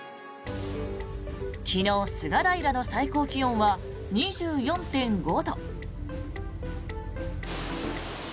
昨日、菅平の最高気温は２４．５度。